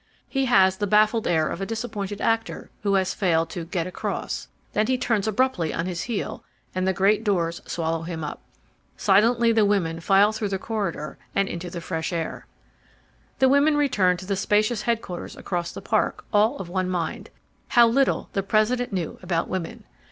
He has the baffled air of a dis appointed actor who has failed to "get across." Then he turns abruptly on his heel and the great doors swallow him up. Silently the women file through the corridor and into the fresh air. The women returned to the spacious headquarters across the park all of one mind. How little the President knew about women!